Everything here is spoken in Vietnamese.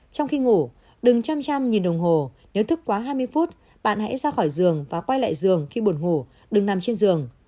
trong khi ngủ đừng trăm trăm nghìn đồng hồ nếu thức quá hai mươi phút bạn hãy ra khỏi giường và quay lại giường khi buồn ngủ đừng nằm trên giường